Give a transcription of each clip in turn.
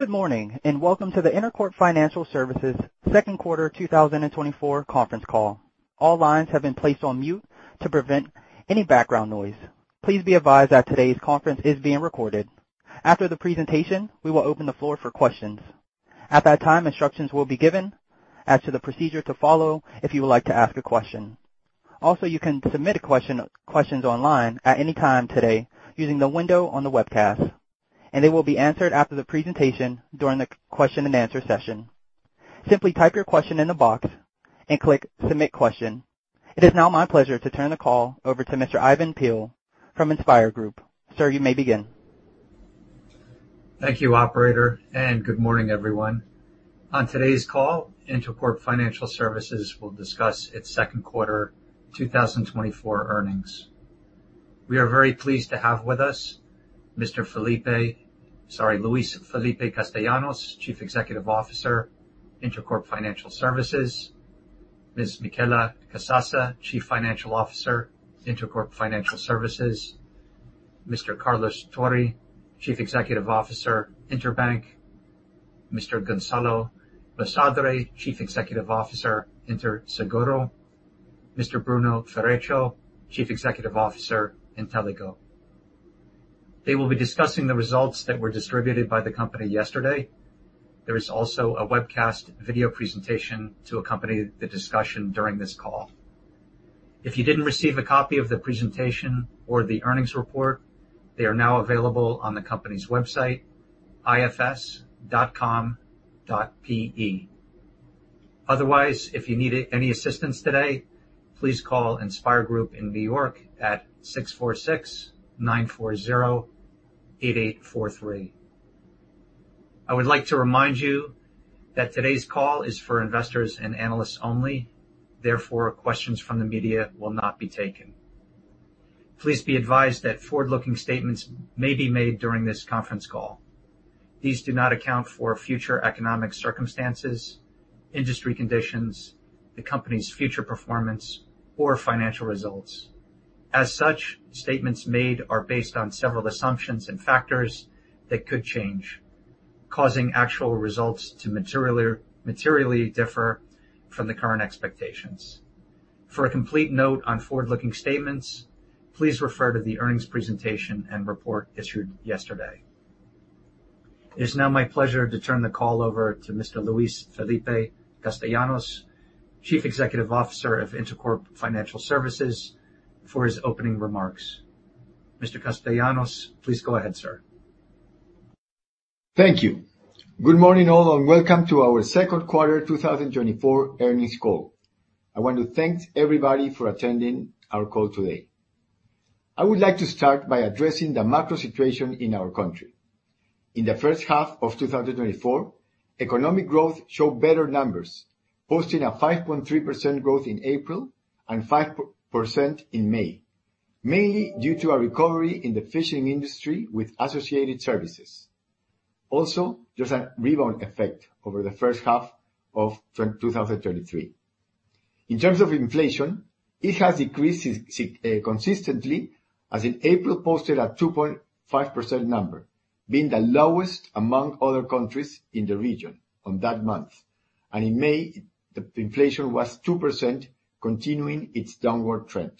Good morning, and welcome to the Intercorp Financial Services Q2 2024 Conference Call. All lines have been placed on mute to prevent any background noise. Please be advised that today's conference is being recorded. After the presentation, we will open the floor for questions. At that time, instructions will be given as to the procedure to follow if you would like to ask a question. Also, you can submit a question, questions online at any time today using the window on the webcast, and they will be answered after the presentation during the question and answer session. Simply type your question in the box and click Submit Question. It is now my pleasure to turn the call over to Mr. Ivan Peill from InspIR Group. Sir, you may begin. Thank you, operator, and good morning, everyone. On today's call, Intercorp Financial Services will discuss its Q2 2024 earnings. We are very pleased to have with us Mr. Felipe... Sorry, Luis Felipe Castellanos, Chief Executive Officer, Intercorp Financial Services; Ms. Michela Casassa, Chief Financial Officer, Intercorp Financial Services; Mr. Carlos Tori, Chief Executive Officer, Interbank; Mr. Gonzalo Basadre, Chief Executive Officer, Interseguro; Mr. Bruno Ferreccio, Chief Executive Officer, Intelligo. They will be discussing the results that were distributed by the company yesterday. There is also a webcast video presentation to accompany the discussion during this call. If you didn't receive a copy of the presentation or the earnings report, they are now available on the company's website, ifs.com.pe. Otherwise, if you need any assistance today, please call InspIR Group in New York at 646-940-8843. I would like to remind you that today's call is for investors and analysts only, therefore, questions from the media will not be taken. Please be advised that forward-looking statements may be made during this conference call. These do not account for future economic circumstances, industry conditions, the company's future performance, or financial results. As such, statements made are based on several assumptions and factors that could change, causing actual results to materially, materially differ from the current expectations. For a complete note on forward-looking statements, please refer to the earnings presentation and report issued yesterday. It is now my pleasure to turn the call over to Mr. Luis Felipe Castellanos, Chief Executive Officer of Intercorp Financial Services, for his opening remarks. Mr. Castellanos, please go ahead, sir. Thank you. Good morning, all, and welcome to our Q2 2024 earnings call. I want to thank everybody for attending our call today. I would like to start by addressing the macro situation in our country. In the H1 of 2024, economic growth showed better numbers, posting a 5.3% growth in April and 5% in May. Mainly due to a recovery in the fishing industry with associated services. Also, there's a rebound effect over the H1 of 2023. In terms of inflation, it has decreased consistently, as in April, posted a 2.5% number, being the lowest among other countries in the region on that month, and in May, the inflation was 2%, continuing its downward trend.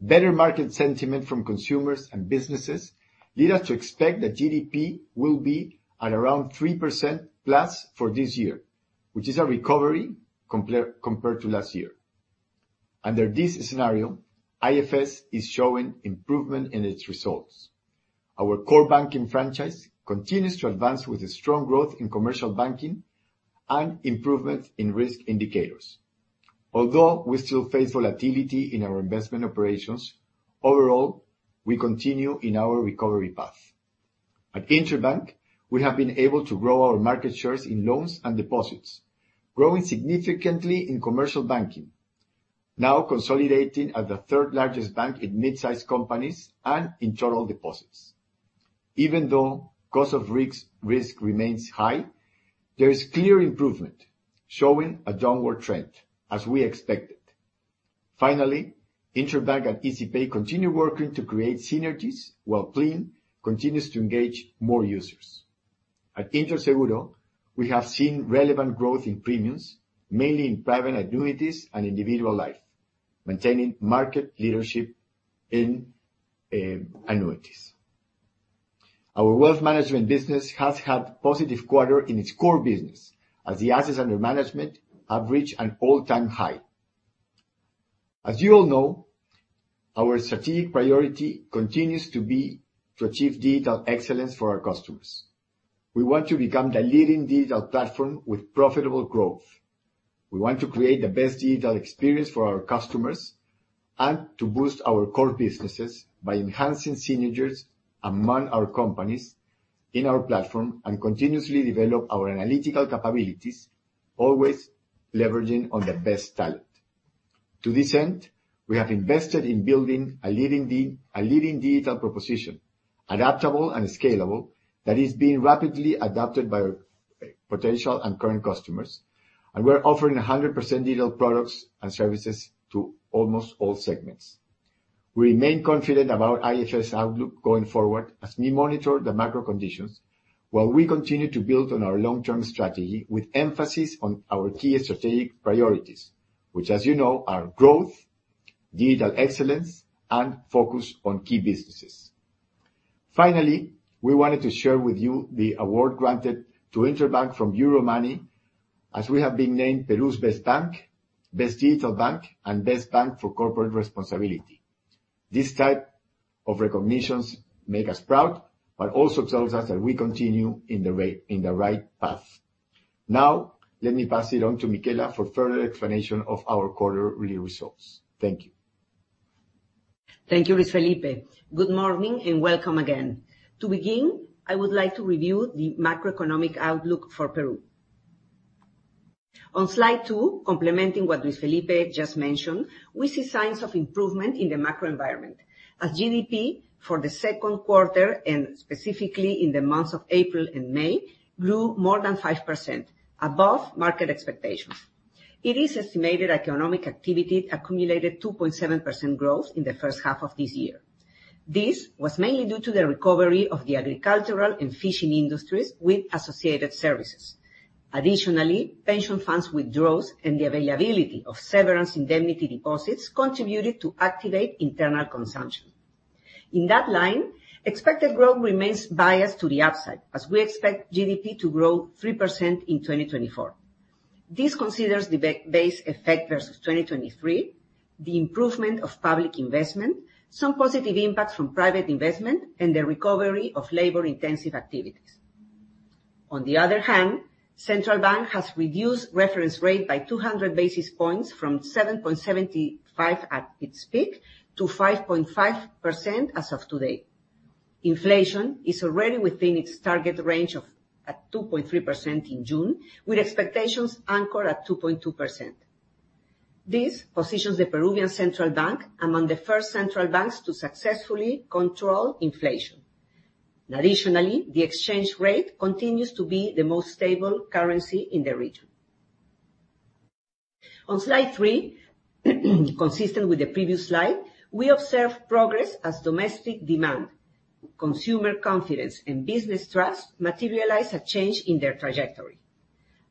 Better market sentiment from consumers and businesses leads us to expect that GDP will be at around 3%+ for this year, which is a recovery compared to last year. Under this scenario, IFS is showing improvement in its results. Our core banking franchise continues to advance with a strong growth in commercial banking and improvement in risk indicators. Although we still face volatility in our investment operations, overall, we continue in our recovery path. At Interbank, we have been able to grow our market shares in loans and deposits, growing significantly in commercial banking, now consolidating as the third largest bank in mid-sized companies and in total deposits. Even though cost of risk remains high, there is clear improvement, showing a downward trend, as we expected. Finally, Interbank and Izipay continue working to create synergies, while Plin continues to engage more users. At Interseguro, we have seen relevant growth in premiums, mainly in private annuities and individual life, maintaining market leadership in annuities. Our wealth management business has had positive quarter in its core business, as the assets under management have reached an all-time high. As you all know, our strategic priority continues to be to achieve digital excellence for our customers. We want to become the leading digital platform with profitable growth. We want to create the best digital experience for our customers and to boost our core businesses by enhancing synergies among our companies in our platform and continuously develop our analytical capabilities, always leveraging on the best talent. To this end, we have invested in building a leading digital proposition, adaptable and scalable, that is being rapidly adopted by our potential and current customers, and we're offering 100% digital products and services to almost all segments. We remain confident about IFS outlook going forward, as we monitor the macro conditions, while we continue to build on our long-term strategy, with emphasis on our key strategic priorities, which, as you know, are growth, digital excellence, and focus on key businesses. Finally, we wanted to share with you the award granted to Interbank from Euromoney, as we have been named Peru's Best Bank, Best Digital Bank, and Best Bank for Corporate Responsibility. This type of recognitions make us proud, but also tells us that we continue in the right path. Now, let me pass it on to Michela for further explanation of our quarter review results. Thank you. Thank you, Luis Felipe. Good morning, and welcome again. To begin, I would like to review the macroeconomic outlook for Peru. On slide two, complementing what Luis Felipe just mentioned, we see signs of improvement in the macro environment, as GDP for the Q2, and specifically in the months of April and May, grew more than 5%, above market expectations. It is estimated economic activity accumulated 2.7% growth in the H1 of this year. This was mainly due to the recovery of the agricultural and fishing industries with associated services. Additionally, pension funds withdrawals and the availability of severance indemnity deposits contributed to activate internal consumption. In that line, expected growth remains biased to the upside, as we expect GDP to grow 3% in 2024. This considers the base effect versus 2023, the improvement of public investment, some positive impacts from private investment, and the recovery of labor-intensive activities. On the other hand, central bank has reduced reference rate by 200 basis points, from 7.75 at its peak to 5.5% as of today. Inflation is already within its target range of 2.3% in June, with expectations anchored at 2.2%. This positions the Peruvian central bank among the first central banks to successfully control inflation. Additionally, the exchange rate continues to be the most stable currency in the region. On slide three, consistent with the previous slide, we observe progress as domestic demand, consumer confidence, and business trust materialize a change in their trajectory.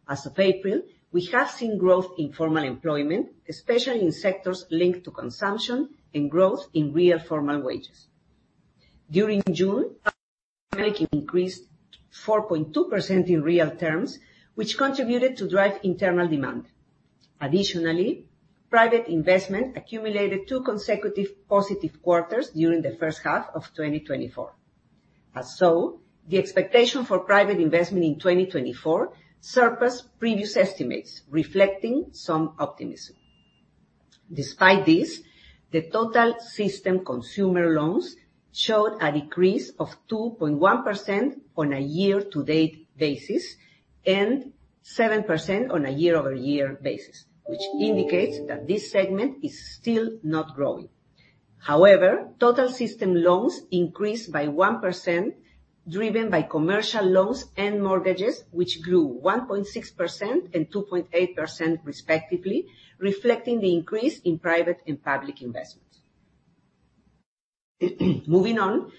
As of April, we have seen growth in formal employment, especially in sectors linked to consumption and growth in real formal wages. During June, increased 4.2% in real terms, which contributed to drive internal demand. Additionally, private investment accumulated two consecutive positive quarters during the H1 of 2024. As such, the expectation for private investment in 2024 surpassed previous estimates, reflecting some optimism. Despite this, the total system consumer loans showed a decrease of 2.1% on a year-to-date basis, and 7% on a year-over-year basis, which indicates that this segment is still not growing. However, total system loans increased by 1%, driven by commercial loans and mortgages, which grew 1.6% and 2.8%, respectively, reflecting the increase in private and public investment. Moving on,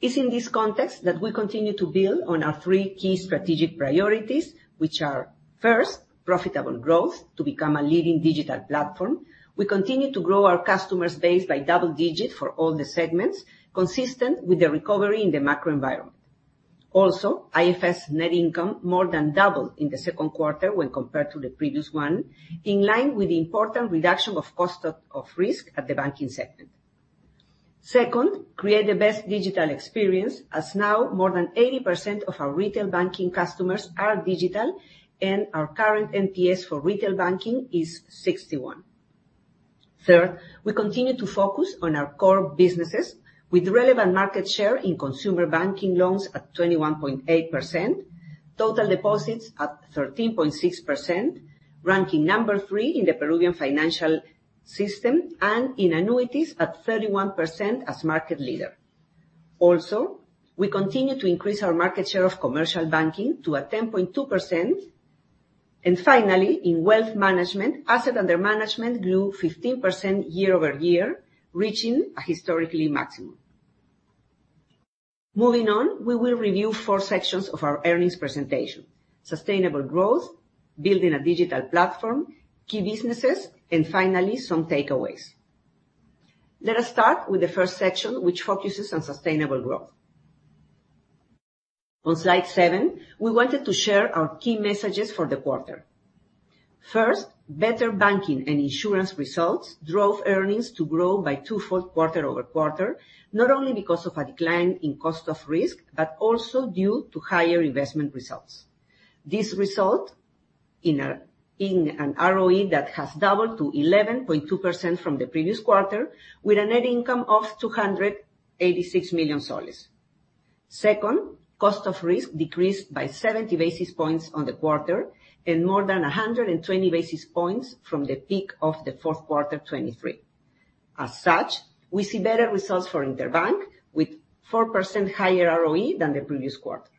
it's in this context that we continue to build on our three key strategic priorities, which are, first, profitable growth to become a leading digital platform. We continue to grow our customer base by double-digit for all the segments, consistent with the recovery in the macro environment. Also, IFS net income more than doubled in the Q2 when compared to the previous one, in line with the important reduction of cost of risk at the banking segment. Second, create the best digital experience, as now more than 80% of our retail banking customers are digital, and our current NPS for retail banking is 61. Third, we continue to focus on our core businesses with relevant market share in consumer banking loans at 21.8%, total deposits at 13.6%, ranking number three in the Peruvian financial system, and in annuities at 31% as market leader. Also, we continue to increase our market share of commercial banking to a 10.2%. And finally, in wealth management, assets under management grew 15% year-over-year, reaching a historical maximum. Moving on, we will review four sections of our earnings presentation: sustainable growth, building a digital platform, key businesses, and finally, some takeaways. Let us start with the first section, which focuses on sustainable growth. On slide seven, we wanted to share our key messages for the quarter. First, better banking and insurance results drove earnings to grow by twofold quarter-over-quarter, not only because of a decline in cost of risk, but also due to higher investment results. This results in an ROE that has doubled to 11.2% from the previous quarter, with a net income of PEN 286 million. Second, cost of risk decreased by 70 basis points on the quarter, and more than 120 basis points from the peak of the Q4 2023. As such, we see better results for Interbank, with 4% higher ROE than the previous quarter.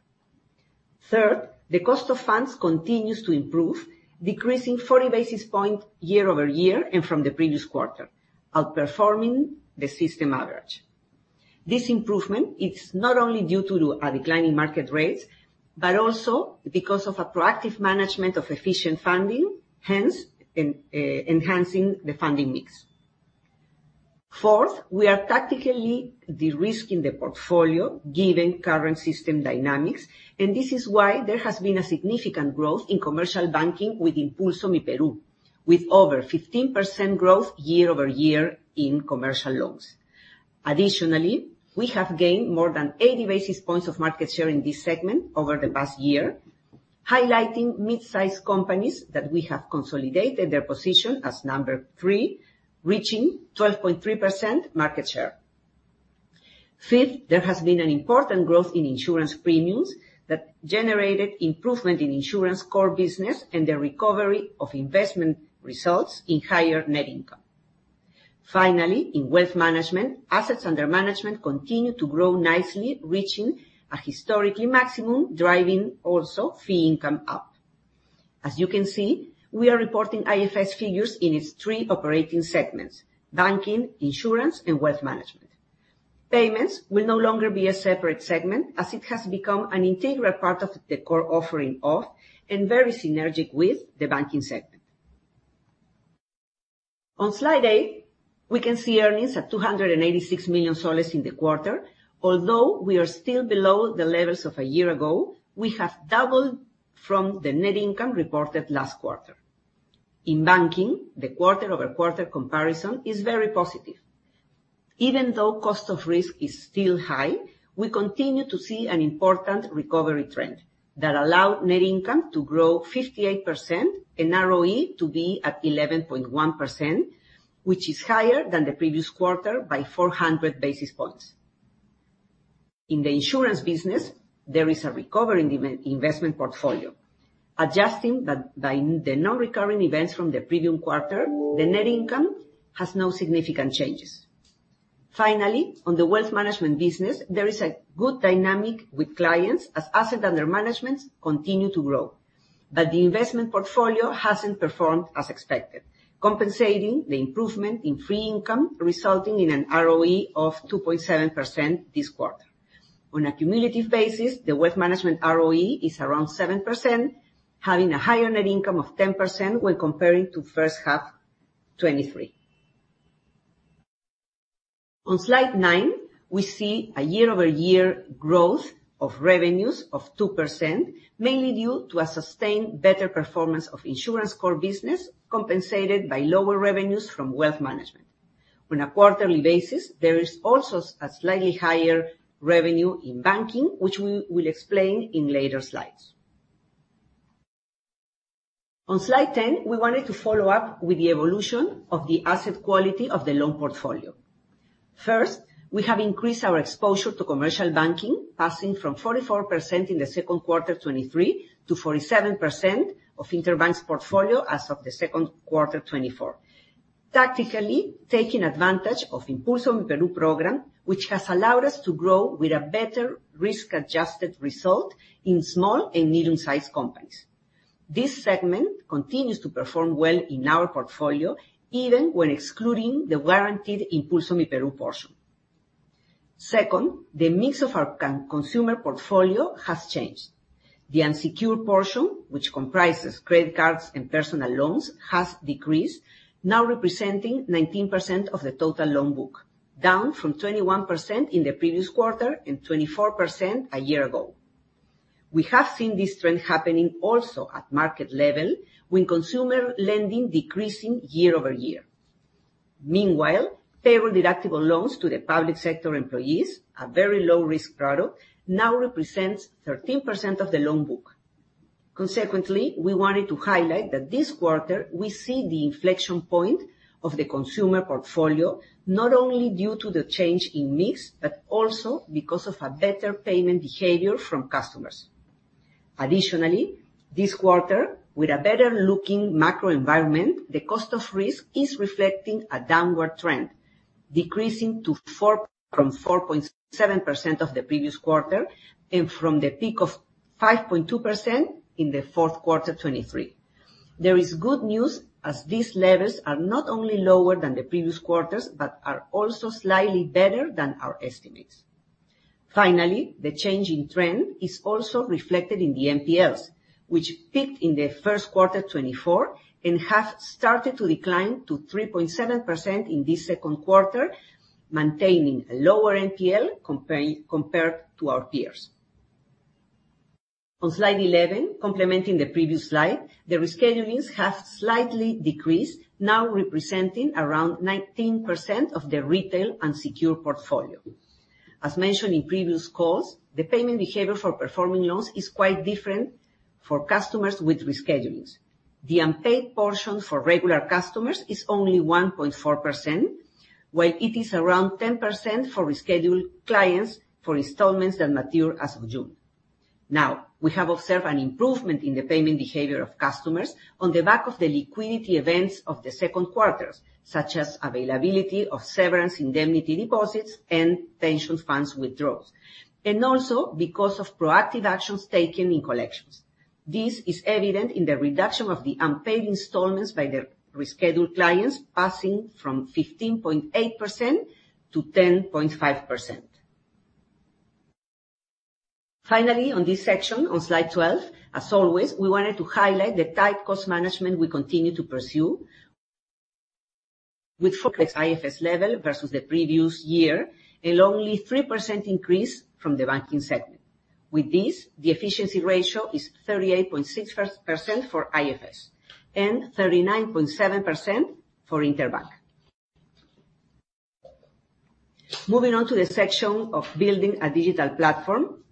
Third, the cost of funds continues to improve, decreasing 40 basis points year-over-year and from the previous quarter, outperforming the system average. This improvement is not only due to a decline in market rates, but also because of a proactive management of efficient funding, hence, enhancing the funding mix. Fourth, we are tactically de-risking the portfolio, given current system dynamics, and this is why there has been a significant growth in commercial banking with Impulso Myperú, with over 15% growth year-over-year in commercial loans. Additionally, we have gained more than 80 basis points of market share in this segment over the past year, highlighting mid-sized companies that we have consolidated their position as number three, reaching 12.3% market share. Fifth, there has been an important growth in insurance premiums that generated improvement in insurance core business and the recovery of investment results in higher net income. Finally, in wealth management, assets under management continue to grow nicely, reaching a historical maximum, driving also fee income up. As you can see, we are reporting IFS figures in its three operating segments: banking, insurance, and wealth management. Payments will no longer be a separate segment, as it has become an integral part of the core offering of, and very synergic with, the banking segment. On slide eight, we can see earnings at PEN 286 million in the quarter. Although we are still below the levels of a year ago, we have doubled from the net income reported last quarter. In banking, the quarter-over-quarter comparison is very positive. Even though cost of risk is still high, we continue to see an important recovery trend that allow net income to grow 58% and ROE to be at 11.1%, which is higher than the previous quarter by 400 basis points. In the insurance business, there is a recovery in demand investment portfolio. Adjusting that by the non-recurring events from the previous quarter, the net income has no significant changes. Finally, on the wealth management business, there is a good dynamic with clients, as assets under management continue to grow, but the investment portfolio hasn't performed as expected, compensating the improvement in fee income, resulting in an ROE of 2.7% this quarter. On a cumulative basis, the wealth management ROE is around 7%, having a higher net income of 10% when comparing to H1 2023. On slide nine, we see a year-over-year growth of revenues of 2%, mainly due to a sustained better performance of insurance core business, compensated by lower revenues from wealth management. On a quarterly basis, there is also a slightly higher revenue in banking, which we will explain in later slides. On slide 10, we wanted to follow up with the evolution of the asset quality of the loan portfolio. First, we have increased our exposure to commercial banking, passing from 44% in the Q2 2023 to 47% of Interbank's portfolio as of the Q2 2024. Tactically, taking advantage of Impulso Myperú program, which has allowed us to grow with a better risk-adjusted result in small and medium-sized companies. This segment continues to perform well in our portfolio, even when excluding the guaranteed Impulso Myperú portion. Second, the mix of our consumer portfolio has changed. The unsecured portion, which comprises credit cards and personal loans, has decreased, now representing 19% of the total loan book, down from 21% in the previous quarter, and 24% a year ago. We have seen this trend happening also at market level, with consumer lending decreasing year-over-year. Meanwhile, payroll-deductible loans to the public sector employees, a very low risk product, now represents 13% of the loan book. Consequently, we wanted to highlight that this quarter, we see the inflection point of the consumer portfolio, not only due to the change in mix, but also because of a better payment behavior from customers. Additionally, this quarter, with a better-looking macro environment, the cost of risk is reflecting a downward trend, decreasing to 4% from 4.7% of the previous quarter, and from the peak of 5.2% in the Q4, 2023. There is good news, as these levels are not only lower than the previous quarters, but are also slightly better than our estimates. Finally, the change in trend is also reflected in the NPLs, which peaked in the Q1, 2024, and have started to decline to 3.7% in this Q2, maintaining a lower NPL compare, compared to our peers. On slide 11, complementing the previous slide, the reschedulings have slightly decreased, now representing around 19% of the retail unsecured portfolio. As mentioned in previous calls, the payment behavior for performing loans is quite different for customers with reschedulings. The unpaid portion for regular customers is only 1.4%, while it is around 10% for rescheduled clients for installments that mature as of June 2024. Now, we have observed an improvement in the payment behavior of customers on the back of the liquidity events of the Q2s, such as availability of severance indemnity deposits and pension funds withdrawals, and also because of proactive actions taken in collections. This is evident in the reduction of the unpaid installments by the rescheduled clients, passing from 15.8% to 10.5%. Finally, on this section, on slide 12, as always, we wanted to highlight the tight cost management we continue to pursue with IFS level versus the previous year, and only 3% increase from the banking segment. With this, the efficiency ratio is 38.6% for IFS and 39.7% for Interbank. Moving on to the section of building a digital platform,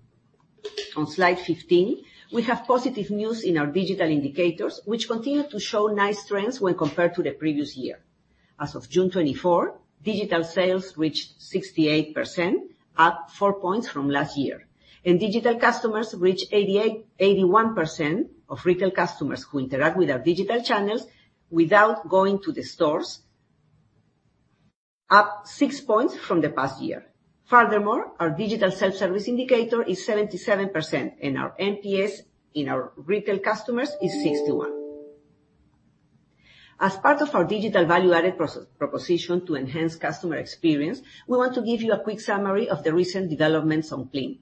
on slide 15, we have positive news in our digital indicators, which continue to show nice trends when compared to the previous year. As of June 2024, digital sales reached 68%, up 4 points from last year, and digital customers reached 81% of retail customers who interact with our digital channels without going to the stores, up 6 points from the past year. Furthermore, our digital self-service indicator is 77%, and our NPS in our retail customers is 61. As part of our digital value-added proposition to enhance customer experience, we want to give you a quick summary of the recent developments on Plin.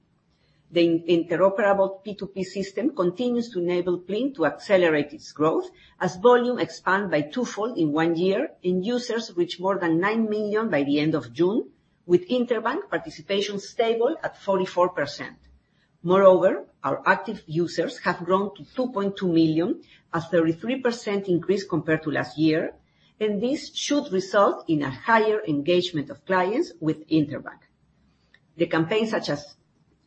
The interoperable P2P system continues to enable Plin to accelerate its growth, as volume expand by twofold in one year, and users reach more than nine million by the end of June, with Interbank participation stable at 44%. Moreover, our active users have grown to 2.2 million, a 33% increase compared to last year, and this should result in a higher engagement of clients with Interbank. The campaigns such as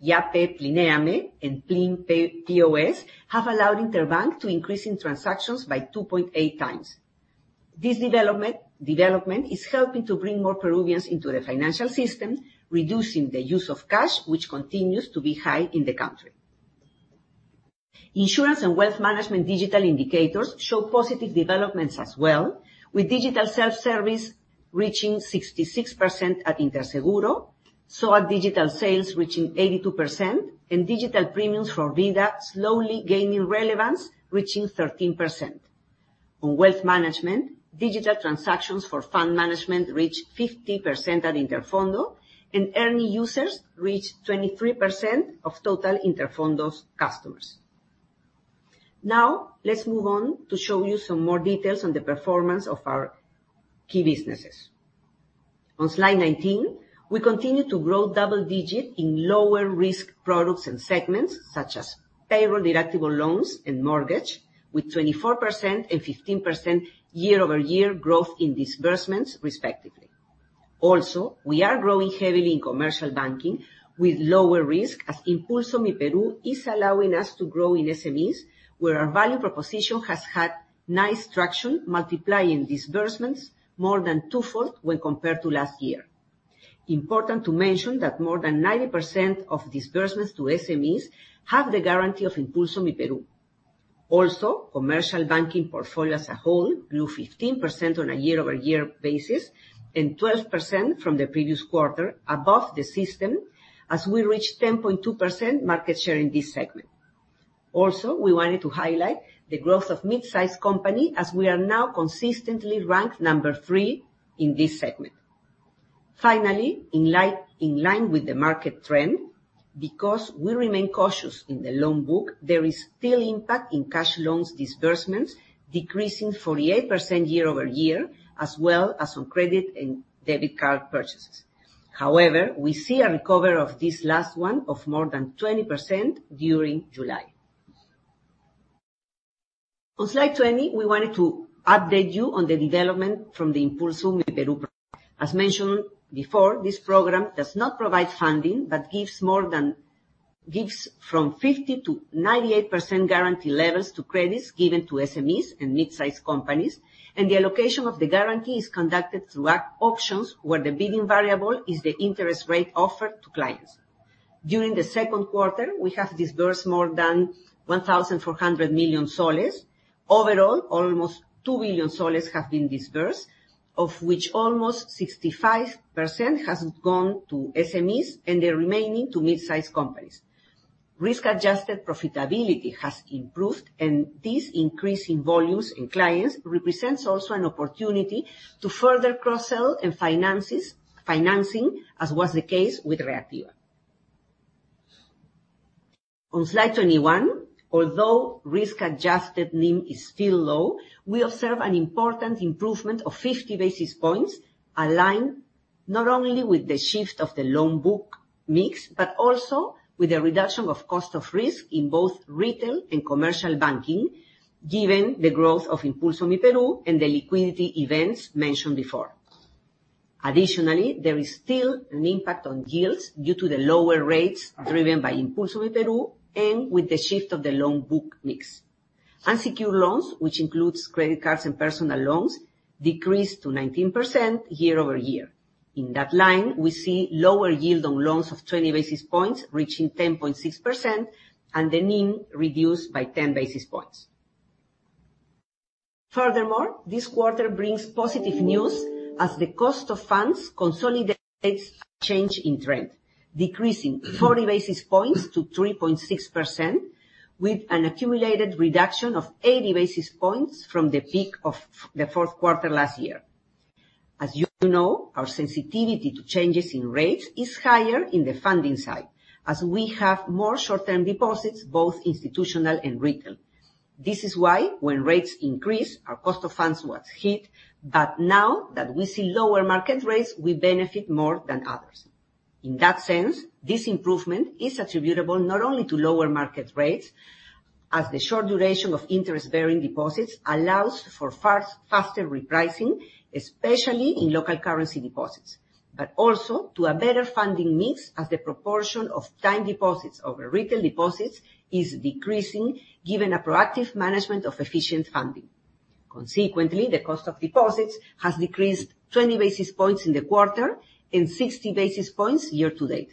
Yape, Plinéame, and Plin Pay POS, have allowed Interbank to increase in transactions by 2.8 times. This development is helping to bring more Peruvians into the financial system, reducing the use of cash, which continues to be high in the country. Insurance and wealth management digital indicators show positive developments as well, with digital self-service reaching 66% at Interseguro, SOAT digital sales reaching 82%, and digital premiums for Vida slowly gaining relevance, reaching 13%. On wealth management, digital transactions for fund management reached 50% at Interfondo, and Erni users reached 23% of total Interfondo's customers. Now, let's move on to show you some more details on the performance of our key businesses. On slide 19, we continue to grow double-digit in lower risk products and segments, such as payroll-deductible loans and mortgage, with 24% and 15% year-over-year growth in disbursements, respectively. Also, we are growing heavily in commercial banking with lower risk, as Impulso Myperú is allowing us to grow in SMEs, where our value proposition has had nice traction, multiplying disbursements more than twofold when compared to last year. Important to mention that more than 90% of disbursements to SMEs have the guarantee of Impulso Myperú. Also, commercial banking portfolio as a whole grew 15% on a year-over-year basis and 12% from the previous quarter above the system, as we reached 10.2% market share in this segment. Also, we wanted to highlight the growth of mid-sized company, as we are now consistently ranked number three in this segment. Finally, in line with the market trend, because we remain cautious in the loan book, there is still impact in cash loans disbursements, decreasing 48% year over year, as well as on credit and debit card purchases. However, we see a recovery of this last one of more than 20% during July. On slide 20, we wanted to update you on the development from the Impulso Myperú. As mentioned before, this program does not provide funding, but gives from 50% to 98% guarantee levels to credits given to SMEs and mid-sized companies, and the allocation of the guarantee is conducted through act auctions, where the bidding variable is the interest rate offered to clients. During the Q2, we have disbursed more than PEN 1,400 million. Overall, almost PEN 2 billion have been disbursed, of which almost 65% has gone to SMEs, and the remaining to mid-sized companies. Risk-adjusted profitability has improved, and this increase in volumes and clients represents also an opportunity to further cross-sell in financing, as was the case with Reactiva. On slide 21, although risk-adjusted NIM is still low, we observe an important improvement of 50 basis points, aligned not only with the shift of the loan book mix, but also with the reduction of cost of risk in both retail and commercial banking, given the growth of Impulso Myperú and the liquidity events mentioned before. Additionally, there is still an impact on yields due to the lower rates driven by Impulso Myperú and with the shift of the loan book mix. Unsecured loans, which includes credit cards and personal loans, decreased to 19% year-over-year. In that line, we see lower yield on loans of 20 basis points, reaching 10.6%, and the NIM reduced by 10 basis points. Furthermore, this quarter brings positive news as the cost of funds consolidates a change in trend, decreasing 40 basis points to 3.6%, with an accumulated reduction of 80 basis points from the peak of the Q4 last year. As you know, our sensitivity to changes in rates is higher in the funding side, as we have more short-term deposits, both institutional and retail. This is why when rates increase, our cost of funds was hit, but now that we see lower market rates, we benefit more than others. In that sense, this improvement is attributable not only to lower market rates, as the short duration of interest-bearing deposits allows for far faster repricing, especially in local currency deposits, but also to a better funding mix, as the proportion of time deposits over retail deposits is decreasing, given a proactive management of efficient funding. Consequently, the cost of deposits has decreased 20 basis points in the quarter and 60 basis points year-to-date.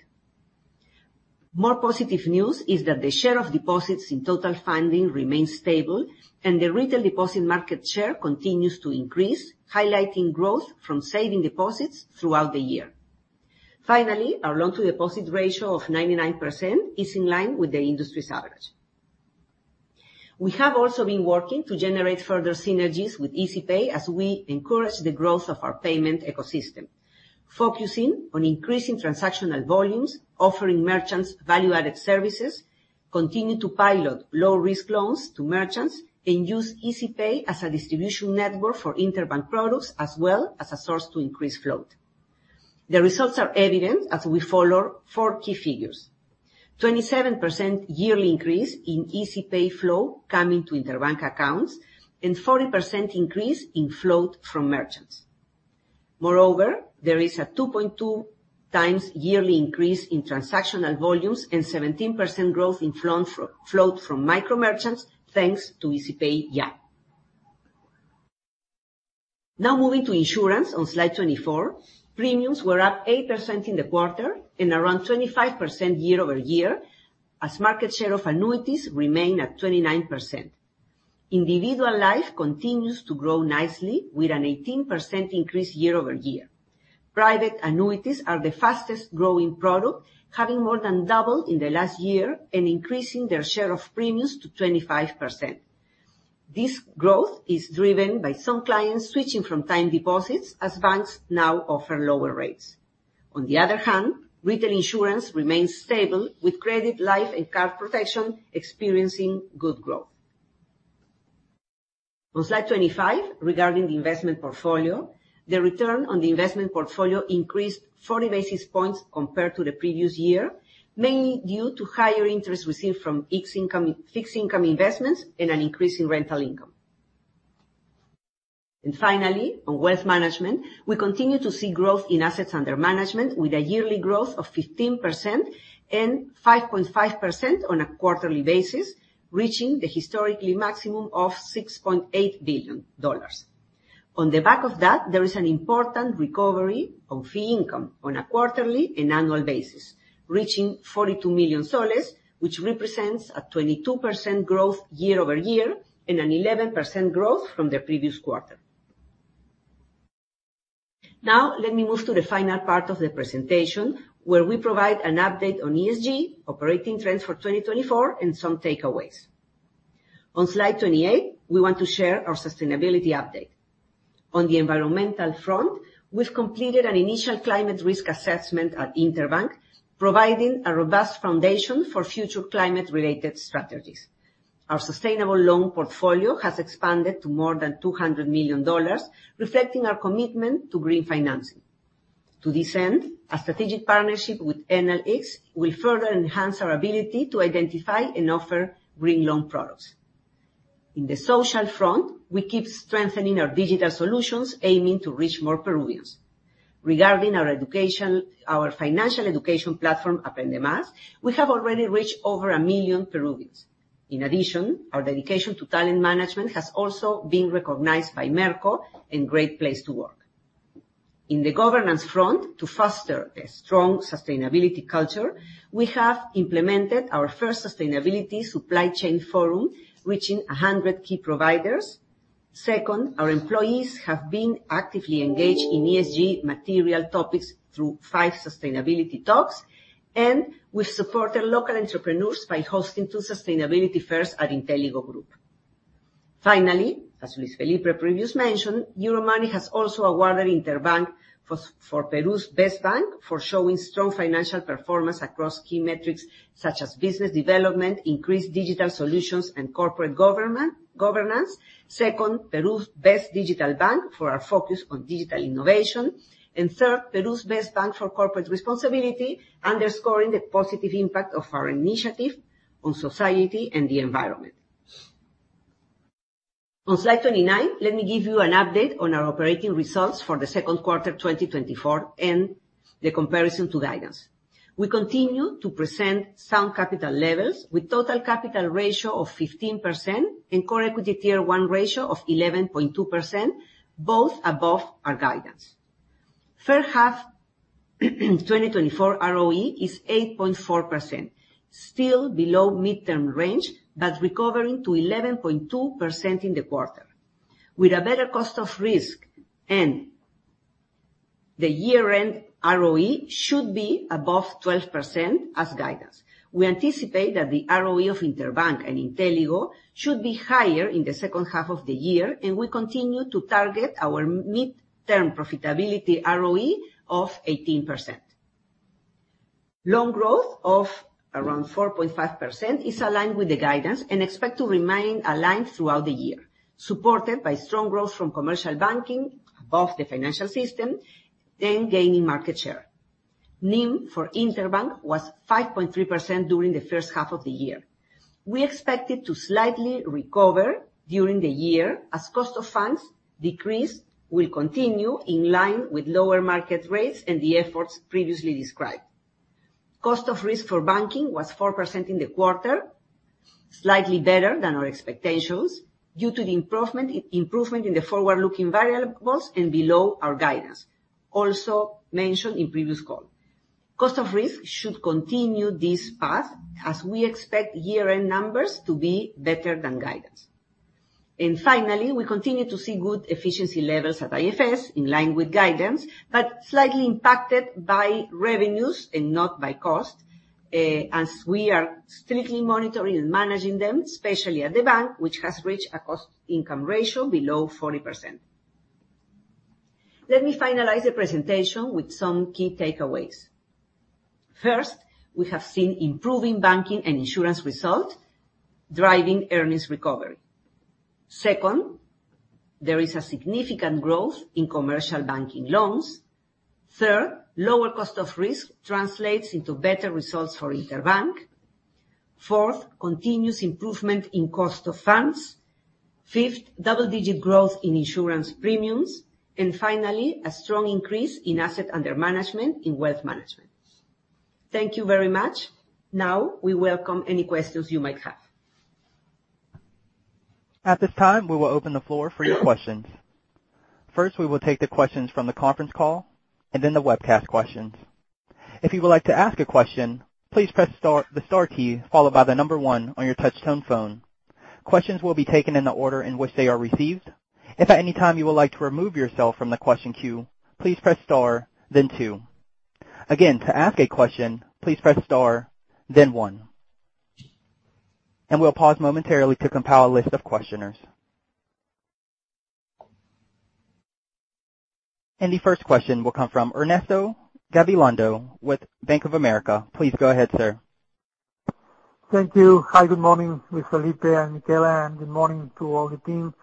More positive news is that the share of deposits in total funding remains stable, and the retail deposit market share continues to increase, highlighting growth from savings deposits throughout the year. Finally, our loan-to-deposit ratio of 99% is in line with the industry's average. We have also been working to generate further synergies with Izipay, as we encourage the growth of our payment ecosystem, focusing on increasing transactional volumes, offering merchants value-added services, continue to pilot low-risk loans to merchants, and use Izipay as a distribution network for Interbank products, as well as a source to increase float. The results are evident as we follow four key figures: 27% yearly increase in Izipay flow coming to Interbank accounts, and 40% increase in float from merchants. Moreover, there is a 2.2 times yearly increase in transactional volumes, and 17% growth in float from micro merchants, thanks to Izipay App. Now, moving to insurance on slide 24, premiums were up 8% in the quarter and around 25% year-over-year, as market share of annuities remain at 29%. Individual life continues to grow nicely, with an 18% increase year-over-year. Private annuities are the fastest growing product, having more than doubled in the last year and increasing their share of premiums to 25%. This growth is driven by some clients switching from time deposits, as banks now offer lower rates. On the other hand, retail insurance remains stable, with credit, life, and card protection experiencing good growth. On slide 25, regarding the investment portfolio, the return on the investment portfolio increased 40 basis points compared to the previous year, mainly due to higher interest received from fixed income investments and an increase in rental income. And finally, on wealth management, we continue to see growth in assets under management, with a yearly growth of 15% and 5.5% on a quarterly basis, reaching the historically maximum of $6.8 billion. On the back of that, there is an important recovery of fee income on a quarterly and annual basis, reaching PEN 42 million, which represents a 22% growth year-over-year and an 11% growth from the previous quarter. Now, let me move to the final part of the presentation, where we provide an update on ESG, operating trends for 2024, and some takeaways. On slide 28, we want to share our sustainability update. On the environmental front, we've completed an initial climate risk assessment at Interbank, providing a robust foundation for future climate-related strategies. Our sustainable loan portfolio has expanded to more than $200 million, reflecting our commitment to green financing. To this end, a strategic partnership with NLX will further enhance our ability to identify and offer green loan products. In the social front, we keep strengthening our digital solutions, aiming to reach more Peruvians. Regarding our education, our financial education platform, Aprende Más, we have already reached over 1 million Peruvians. In addition, our dedication to talent management has also been recognized by Merco and Great Place to Work. In the governance front, to foster a strong sustainability culture, we have implemented our first sustainability supply chain forum, reaching 100 key providers. Second, our employees have been actively engaged in ESG material topics through five sustainability talks, and we've supported local entrepreneurs by hosting two sustainability fairs at Intelligo Group. Finally, as Luis Felipe previously mentioned, Euromoney has also awarded Interbank for Peru's Best Bank for showing strong financial performance across key metrics such as business development, increased digital solutions, and corporate governance. Second, Peru's Best Digital Bank for our focus on digital innovation. And third, Peru's Best Bank for Corporate Responsibility, underscoring the positive impact of our initiative on society and the environment. On slide 29, let me give you an update on our operating results for the Q2 2024, and the comparison to guidance. We continue to present sound capital levels with total capital ratio of 15% and Core Equity Tier 1 ratio of 11.2%, both above our guidance.... H1 2024 ROE is 8.4%, still below mid-term range, but recovering to 11.2% in the quarter. With a better cost of risk, and the year-end ROE should be above 12% as guidance. We anticipate that the ROE of Interbank and Intelligo should be higher in the H2 of the year, and we continue to target our mid-term profitability ROE of 18%. Loan growth of around 4.5% is aligned with the guidance, and expect to remain aligned throughout the year, supported by strong growth from commercial banking, above the financial system, then gaining market share. NIM for Interbank was 5.3% during the H1 of the year. We expect it to slightly recover during the year, as cost of funds decrease will continue in line with lower market rates and the efforts previously described. Cost of risk for banking was 4% in the quarter, slightly better than our expectations, due to the improvement in the forward-looking variables and below our guidance, also mentioned in previous call. Cost of risk should continue this path, as we expect year-end numbers to be better than guidance. Finally, we continue to see good efficiency levels at IFS, in line with guidance, but slightly impacted by revenues and not by cost, as we are strictly monitoring and managing them, especially at the bank, which has reached a cost-income ratio below 40%. Let me finalize the presentation with some key takeaways. First, we have seen improving banking and insurance results, driving earnings recovery. Second, there is a significant growth in commercial banking loans. Third, lower cost of risk translates into better results for Interbank. Fourth, continuous improvement in cost of funds. Fifth, double-digit growth in insurance premiums. And finally, a strong increase in assets under management in wealth management. Thank you very much. Now, we welcome any questions you might have. At this time, we will open the floor for your questions. First, we will take the questions from the conference call and then the webcast questions. If you would like to ask a question, please press star, the star key, followed by the number one on your touchtone phone. Questions will be taken in the order in which they are received. If at any time you would like to remove yourself from the question queue, please press star, then two. Again, to ask a question, please press star, then one. We'll pause momentarily to compile a list of questioners. The first question will come from Ernesto Gabilondo, with Bank of America. Please go ahead, sir. Thank you. Hi, good morning, Luis Felipe and Michela, and good morning to all the team.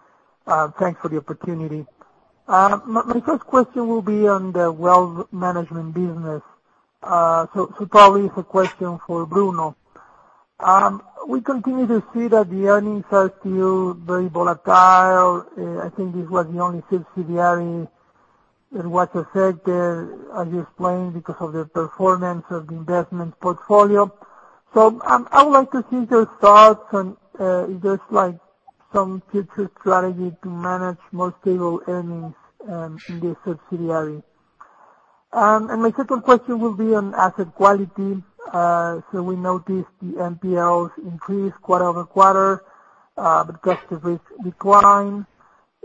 Thanks for the opportunity. My first question will be on the wealth management business. So, probably it's a question for Bruno. We continue to see that the earnings are still very volatile. I think this was the only subsidiary in what affected, as you explained, because of the performance of the investment portfolio. So, I would like to see your thoughts on, if there's, like, some future strategy to manage more stable earnings, in this subsidiary. And my second question will be on asset quality. So we noticed the NPLs increased quarter-over-quarter, but cost of risk declined.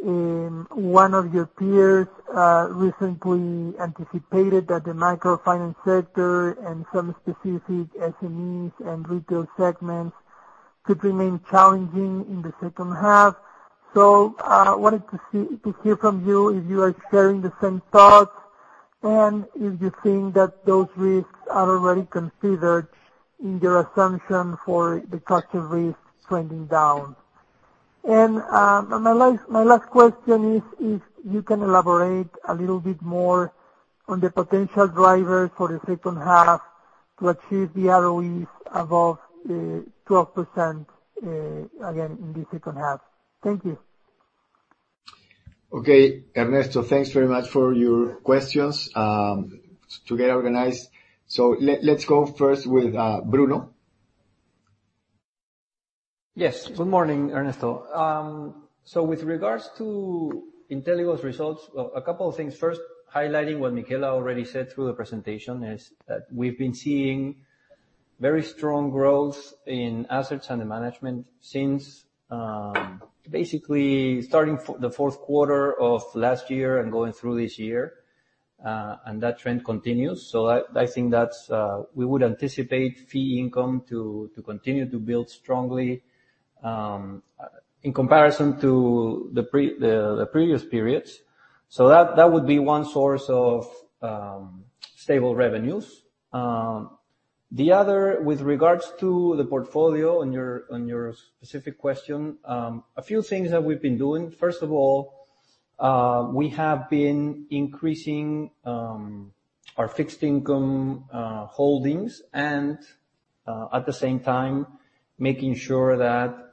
One of your peers recently anticipated that the microfinance sector and some specific SMEs and retail segments could remain challenging in the H2. So I wanted to see-- to hear from you if you are sharing the same thoughts, and if you think that those risks are already considered in your assumption for the cost of risk trending down. And, my last, my last question is, if you can elaborate a little bit more on the potential drivers for the H2 to achieve the ROEs above 12%, again, in the H2. Thank you. Okay, Ernesto, thanks very much for your questions. To get organized, let's go first with Bruno. Yes. Good morning, Ernesto. So with regards to Intelligo's results, well, a couple of things. First, highlighting what Michela already said through the presentation, is that we've been seeing very strong growth in assets under management since basically starting the Q4 of last year and going through this year, and that trend continues. So I think that's we would anticipate fee income to continue to build strongly in comparison to the previous periods. So that would be one source of stable revenues. The other, with regards to the portfolio, on your specific question, a few things that we've been doing. First of all, we have been increasing our fixed income holdings, and at the same time, making sure that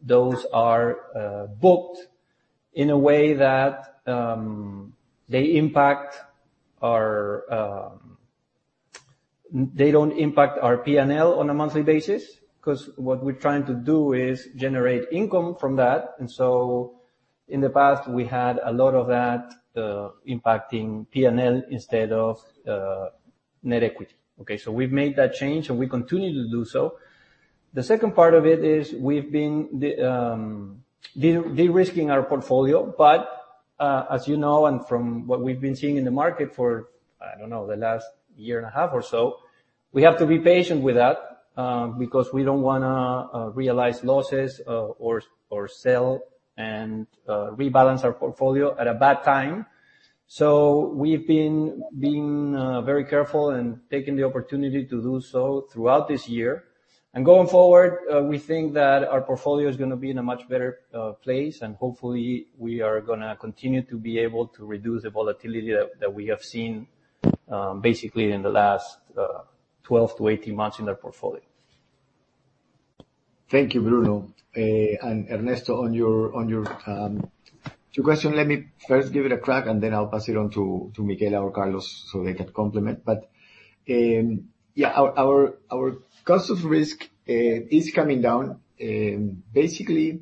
those are booked in a way that they don't impact our PNL on a monthly basis, 'cause what we're trying to do is generate income from that and so in the past, we had a lot of that impacting PNL instead of net equity, okay? So we've made that change, and we continue to do so. The second part of it is, we've been de-risking our portfolio, but as you know, and from what we've been seeing in the market for, I don't know, the last year and a half or so, we have to be patient with that, because we don't wanna realize losses, or sell and rebalance our portfolio at a bad time. So we've been very careful and taking the opportunity to do so throughout this year and going forward, we think that our portfolio is gonna be in a much better place, and hopefully, we are gonna continue to be able to reduce the volatility that we have seen, basically in the last 12 to 18 months in our portfolio. Thank you, Bruno. And Ernesto, on your, on your two question, let me first give it a crack, and then I'll pass it on to, to Michela or Carlos, so they can complement. But, yeah, our, our, our cost of risk is coming down, basically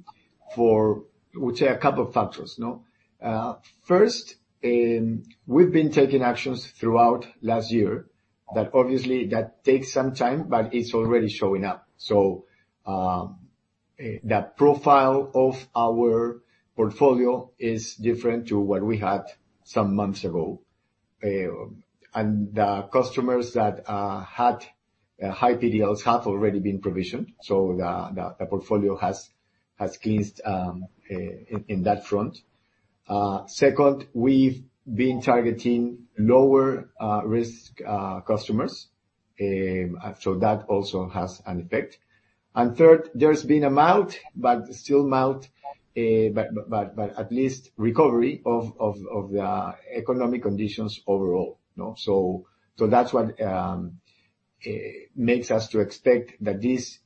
for, we say, a couple factors, no? First, we've been taking actions throughout last year, that obviously that takes some time, but it's already showing up. So, the profile of our portfolio is different to what we had some months ago and the customers that had high PDLs have already been provisioned, so the, the, the portfolio has, has cleansed, in that front. Second, we've been targeting lower risk customers, so that also has an effect and third, there's been a mild, but still mild, but at least recovery of the economic conditions overall, you know? So, that's what makes us to expect that this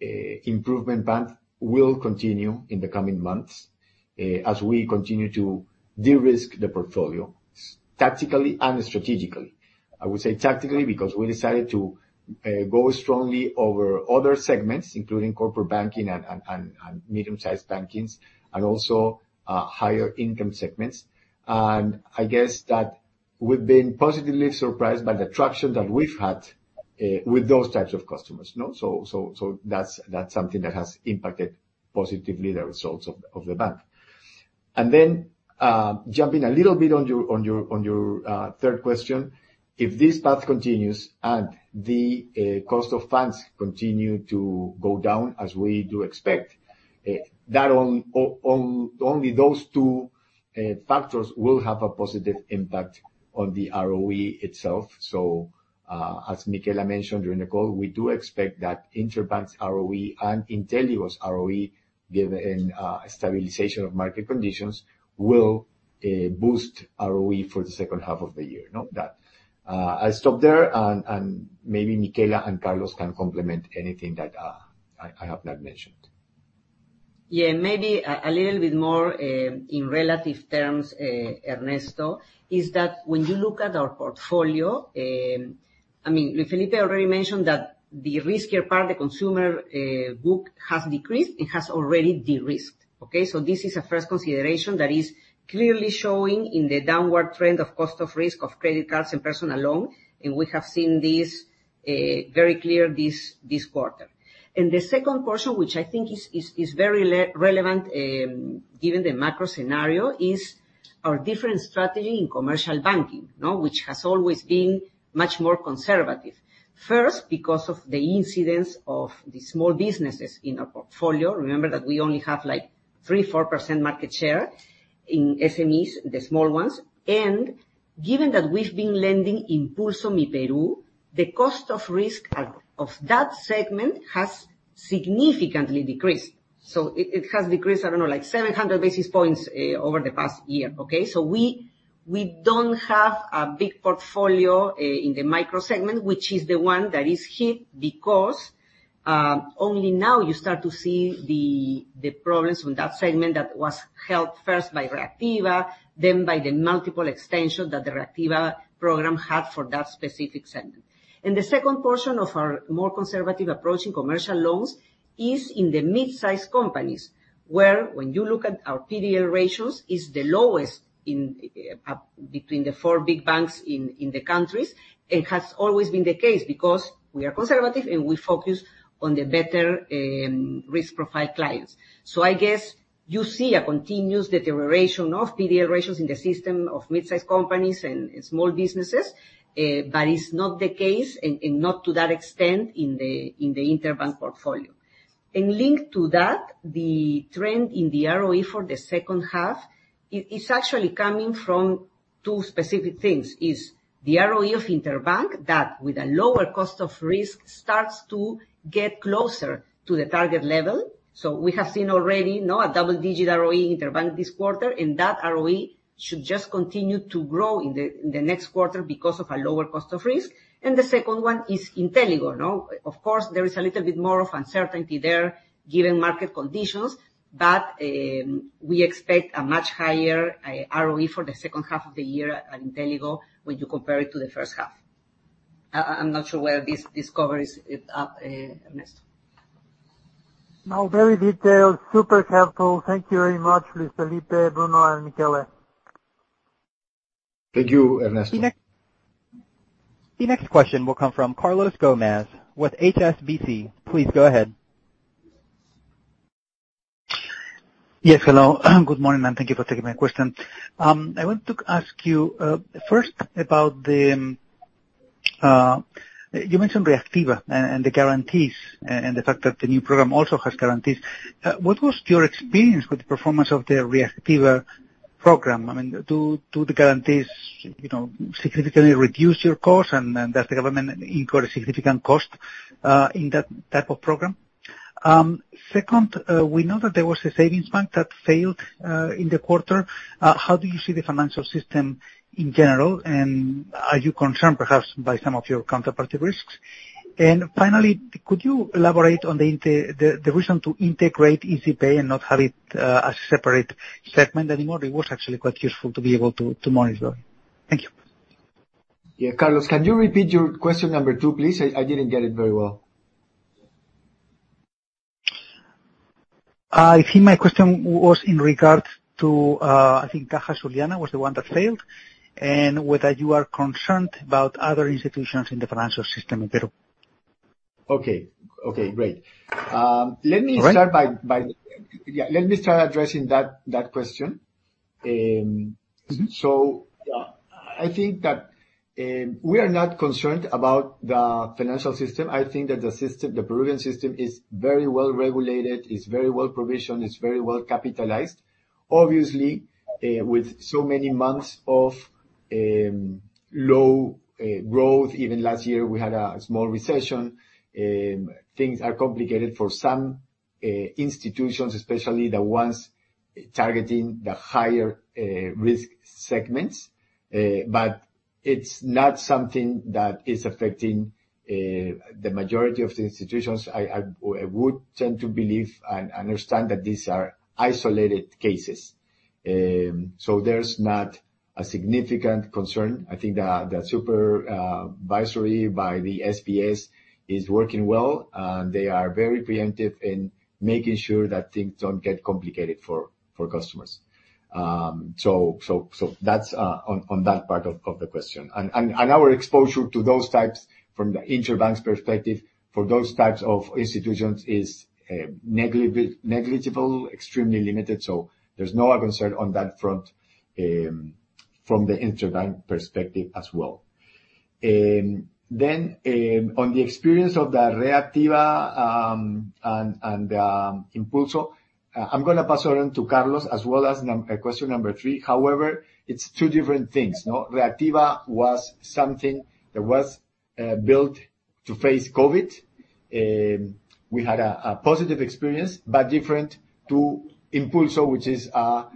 improvement path will continue in the coming months, as we continue to de-risk the portfolio, tactically and strategically. I would say tactically, because we decided to go strongly over other segments, including corporate banking and medium-sized bankings, and also higher income segments. And I guess that we've been positively surprised by the traction that we've had with those types of customers, you know? So, that's something that has impacted positively the results of the bank. Then, jumping a little bit on your third question, if this path continues and the cost of funds continue to go down, as we do expect, that only those two factors will have a positive impact on the ROE itself. So, as Michela mentioned during the call, we do expect that Interbank's ROE and Intelligo's ROE, given stabilization of market conditions, will boost ROE for the H2 of the year, not that. I stop there, and maybe Michela and Carlos can complement anything that I have not mentioned. Yeah, maybe a little bit more in relative terms, Ernesto, is that when you look at our portfolio, I mean, Felipe already mentioned that the riskier part, the consumer book, has decreased and has already de-risked, okay? So this is a first consideration that is clearly showing in the downward trend of cost of risk of credit cards and personal loan, and we have seen this very clear this quarter and the Q2, which I think is very relevant, given the macro scenario, is our different strategy in commercial banking, no? Which has always been much more conservative. First, because of the incidence of the small businesses in our portfolio. Remember that we only have, like, 3-4% market share in SMEs, the small ones. Given that we've been lending in Impulso Myperú, the cost of risk of that segment has significantly decreased. So it has decreased, I don't know, like 700 basis points, over the past year, okay? So we don't have a big portfolio in the micro segment, which is the one that is hit, because only now you start to see the progress from that segment that was helped first by Reactiva, then by the multiple extensions that the Reactiva program had for that specific segment. And the second portion of our more conservative approach in commercial loans is in the mid-sized companies, where, when you look at our PDL ratios, is the lowest in Peru between the four big banks in the country, and has always been the case, because we are conservative, and we focus on the better risk profile clients. So I guess you see a continuous deterioration of PDL ratios in the system of mid-sized companies and in small businesses, but it's not the case, and not to that extent in the Interbank portfolio and linked to that, the trend in the ROE for the H2 is actually coming from two specific things: the ROE of Interbank that, with a lower cost of risk, starts to get closer to the target level. So we have seen already, you know, a double-digit ROE in Interbank this quarter, and that ROE should just continue to grow in the next quarter because of a lower cost of risk. And the second one is Intelligo, no? Of course, there is a little bit more of uncertainty there, given market conditions, but we expect a much higher ROE for the H2 of the year at Intelligo when you compare it to the H1. I'm not sure whether this covers it, Ernesto.... No, very detailed. Super careful. Thank you very much, Luis Felipe, Bruno, and Michela. Thank you, Ernesto. The next question will come from Carlos Gomez with HSBC. Please go ahead. Yes, hello. Good morning, and thank you for taking my question. I want to ask you, first about the, you mentioned Reactiva and, and the guarantees and, and the fact that the new program also has guarantees. What was your experience with the performance of the Reactiva program? I mean, do, do the guarantees, you know, significantly reduce your cost and, and does the government incur a significant cost, in that type of program? Second, we know that there was a savings bank that failed, in the quarter. How do you see the financial system in general, and are you concerned, perhaps by some of your counterparty risks? And finally, could you elaborate on the, the reason to integrate Izipay and not have it, as separate segment anymore? It was actually quite useful to be able to, to monitor it. Thank you. Yeah, Carlos, can you repeat your question number two, please? I, I didn't get it very well. I think my question was in regard to, I think Caja Sullana was the one that failed, and whether you are concerned about other institutions in the financial system in Peru. Okay. Okay, great. Let me- Right... yeah, let me start addressing that question. So, I think we are not concerned about the financial system. I think that the system, the Peruvian system, is very well-regulated, it's very well-provisioned, it's very well-capitalized. Obviously, with so many months of low growth, even last year, we had a small recession, things are complicated for some institutions, especially the ones targeting the higher risk segments b ut it's not something that is affecting the majority of the institutions. I would tend to believe and understand that these are isolated cases. So there's not a significant concern. I think the super advisory by the SBS is working well, and they are very preemptive in making sure that things don't get complicated for customers. So that's on that part of the question and our exposure to those types from the Interbank's perspective, for those types of institutions, is negligible, extremely limited, so there's no other concern on that front, from the Interbank perspective as well. Then, on the experience of the Reactiva, and Impulso, I'm gonna pass it on to Carlos, as well as number question number three. However, it's two different things, no? Reactiva was something that was built to face COVID. We had a positive experience, but different to Impulso, which is a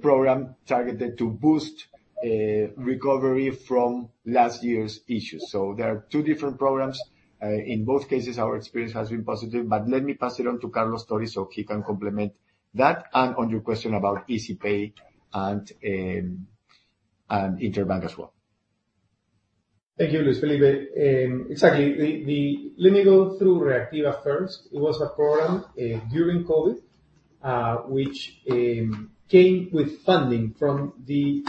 program targeted to boost recovery from last year's issues. So there are two different programs. In both cases, our experience has been positive but let me pass it on to Carlos Tori, so he can complement that, and on your question about Izipay and, and Interbank as well. Thank you, Luis Felipe. Exactly. Let me go through Reactiva first. It was a program during COVID, which came with funding from the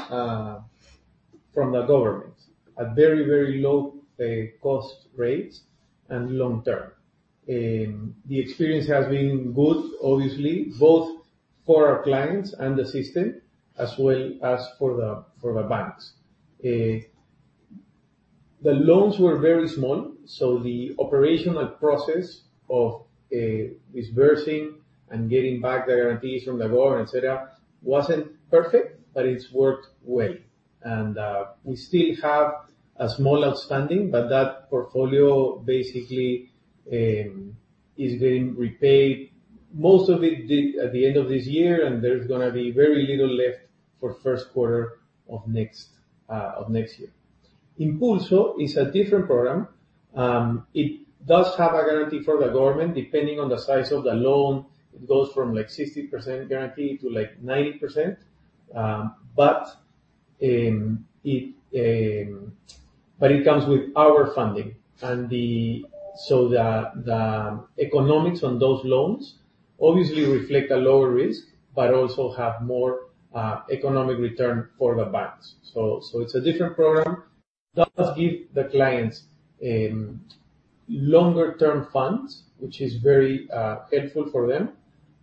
government, at very, very low cost rates and long term. The experience has been good, obviously, both for our clients and the system, as well as for the banks. The loans were very small, so the operational process of disbursing and getting back the guarantees from the government, et cetera, wasn't perfect, but it's worked well. We still have a small outstanding, but that portfolio basically is getting repaid, most of it at the end of this year, and there's gonna be very little left for Q1 of next year. Impulso is a different program. It does have a guarantee from the government depending on the size of the loan, it goes from, like, 60% guarantee to, like, 90%. But it comes with our funding and so the economics on those loans obviously reflect a lower risk, but also have more economic return for the banks so it's a different program. It does give the clients longer-term funds, which is very helpful for them,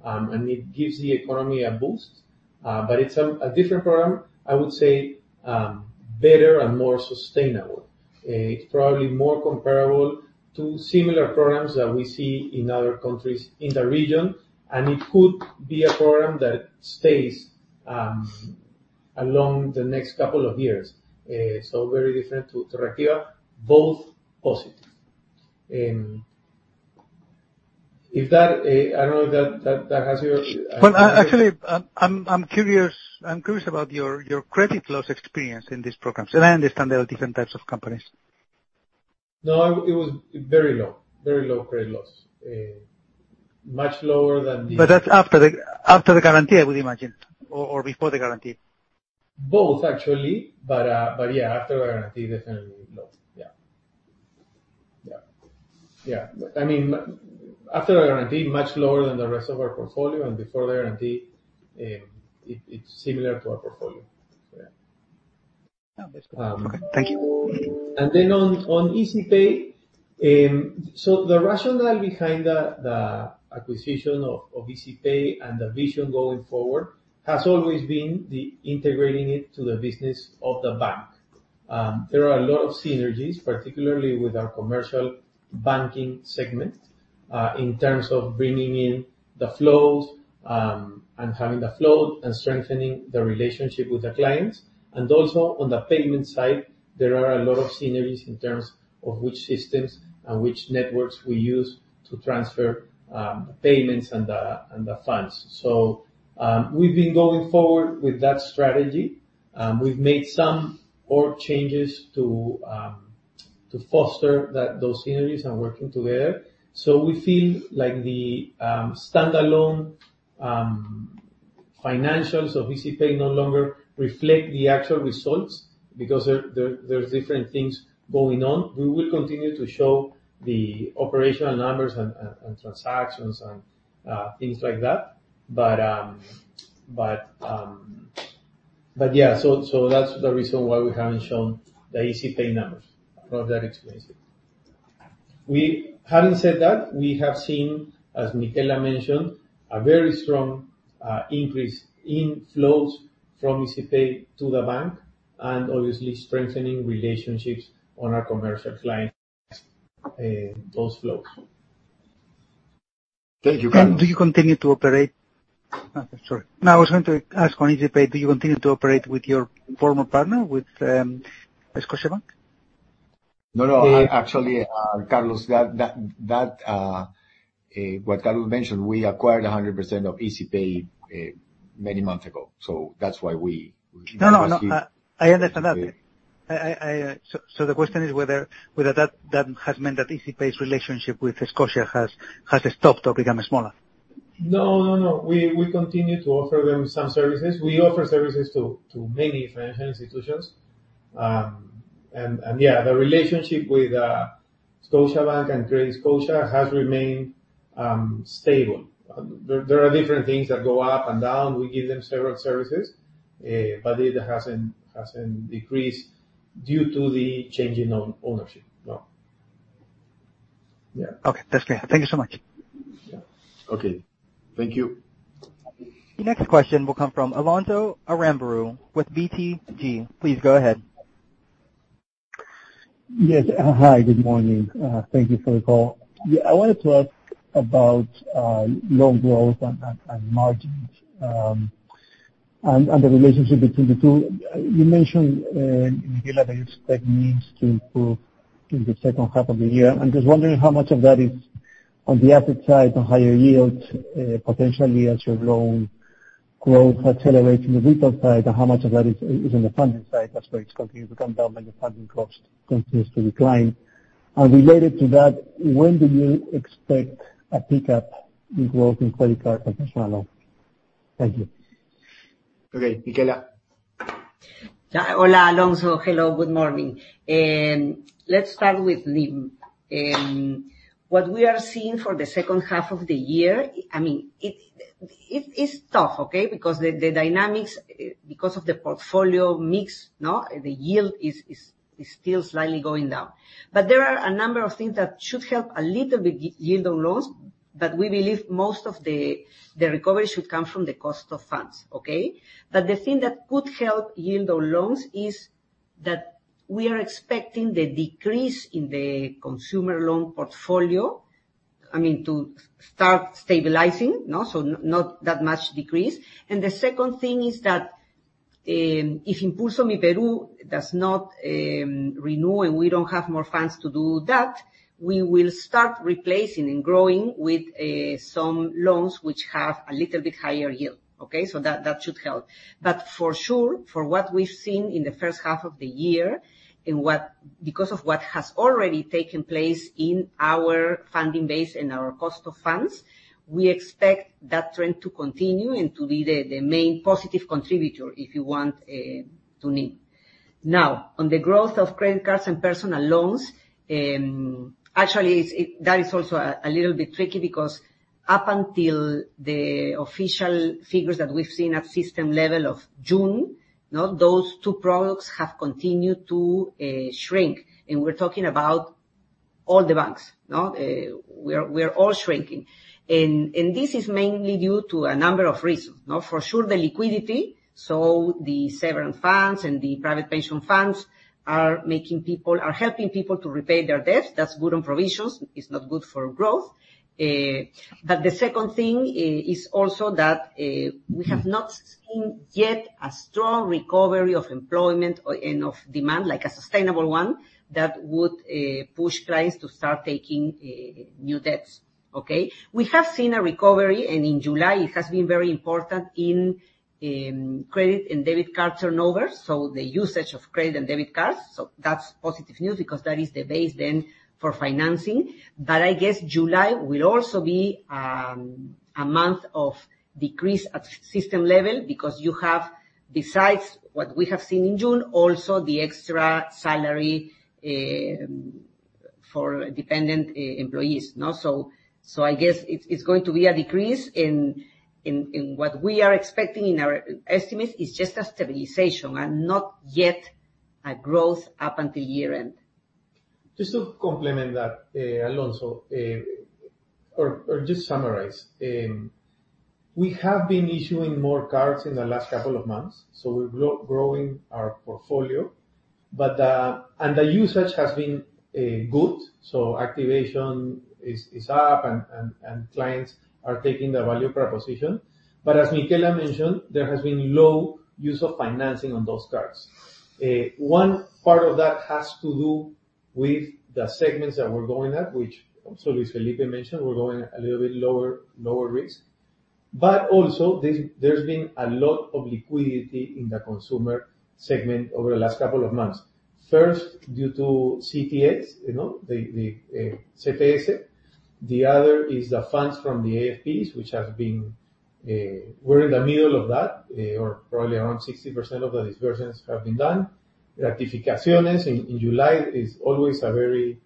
and it gives the economy a boost but it's a different program, I would say, better and more sustainable. It's probably more comparable to similar programs that we see in other countries in the region, and it could be a program that stays along the next couple of years. So very different to Reactiva, both positive. I don't know if that answers your- Well, actually, I'm curious about your credit loss experience in these programs, and I understand there are different types of companies. No, it was very low, very low credit loss, much lower than the- But that's after the guarantee, I would imagine, or before the guarantee?... Both, actually, but, but yeah, after guarantee, definitely low. Yeah. Yeah. Yeah, I mean, after the guarantee, much lower than the rest of our portfolio, and before the guarantee, it's similar to our portfolio. So yeah. Okay, thank you. And then on Izipay, so the rationale behind the acquisition of Izipay and the vision going forward has always been integrating it to the business of the bank. There are a lot of synergies, particularly with our commercial banking segment, in terms of bringing in the flows and having the flow and strengthening the relationship with the clients and also, on the payment side, there are a lot of synergies in terms of which systems and which networks we use to transfer payments and the funds. We've been going forward with that strategy, and we've made some org changes to foster those synergies and working together. So we feel like the standalone financials of Izipay no longer reflect the actual results, because there's different things going on. We will continue to show the operational numbers and transactions and things like that but yeah, so that's the reason why we haven't shown the Izipay numbers, for that reason. We, having said that, have seen, as Michela mentioned, a very strong increase in flows from Izipay to the bank, and obviously strengthening relationships on our commercial clients, those flows. Thank you. Do you continue to operate...? Sorry. No, I was going to ask on Izipay, do you continue to operate with your former partner, with Scotiabank? No, no, actually, Carlos, what Carlos mentioned, we acquired 100% of Izipay many months ago, so that's why we- No, no, no. I understand that. So the question is whether that has meant that Izipay's relationship with Scotia has stopped or become smaller. No, no, no. We continue to offer them some services. We offer services to many financial institutions. The relationship with Scotiabank has remained stable. There are different things that go up and down. We give them several services, but it hasn't decreased due to the changing ownership, no. Yeah. Okay, that's clear. Thank you so much. Yeah. Okay, thank you. The next question will come from Alonso Aramburu with BTG. Please go ahead. Yes. Hi, good morning. Thank you for the call. Yeah, I wanted to ask about loan growth and margins and the relationship between the two. You mentioned the NIM expects to improve in the H2 of the year. I'm just wondering how much of that is on the asset side, on higher yields, potentially as your loan growth accelerates on the retail side, and how much of that is on the funding side, as rates continue to come down and the funding cost continues to decline and related to that, when do you expect a pickup in growth in credit card and personal loan? Thank you. Okay, Michela. Yeah. Hola, Alonso. Hello, good morning. Let's start with what we are seeing for the H2 of the year, I mean, it, it is tough, okay? Because the dynamics, because of the portfolio mix, the yield is, is, is still slightly going down but there are a number of things that should help a little bit the yield on loans, but we believe most of the recovery should come from the cost of funds, okay? But the thing that could help yield on loans is that we are expecting the decrease in the consumer loan portfolio, I mean, to start stabilizing, so not that much decrease. And the second thing is that, if Impulso Myperú does not renew, and we don't have more funds to do that, we will start replacing and growing with some loans which have a little bit higher yield, okay? So that should help. But for sure, for what we've seen in the H1 of the year, and what, because of what has already taken place in our funding base and our cost of funds, we expect that trend to continue and to be the main positive contributor, if you want, to NIM. Now, on the growth of credit cards and personal loans, actually, that is also a little bit tricky, because up until the official figures that we've seen at system level of June, no, those two products have continued to shrink, and we're talking about all the banks, no? We're all shrinking and this is mainly due to a number of reasons, no? For sure, the liquidity, so the sovereign funds and the private pension funds are helping people to repay their debts. That's good on provisions, it's not good for growth. But the second thing is also that we have not seen yet a strong recovery of employment or and of demand, like a sustainable one, that would push clients to start taking new debts. Okay? We have seen a recovery, and in July, it has been very important in credit and debit card turnover, so the usage of credit and debit cards, so that's positive news because that is the base then for financing but I guess July will also be a month of decrease at system level, because you have, besides what we have seen in June, also the extra salary for dependent employees, no? So I guess it's going to be a decrease in what we are expecting in our estimates is just a stabilization and not yet a growth up until year end. Just to complement that, Alonso, just summarize. We have been issuing more cards in the last couple of months, so we're growing our portfolio, but under usage has been good, so activation is up, and clients are taking the value proposition but as Michela mentioned, there has been low use of financing on those cards. One part of that has to do with the segments that we're going at, which also Luis Felipe mentioned, we're going a little bit lower risk but also, there's been a lot of liquidity in the consumer segment over the last couple of months. First, due to CTS, you know, the CTS. The other is the funds from the AFPs, which have been, we're in the middle of that, or probably around 60% of the disbursements have been done. Gratificaciones in July is always a very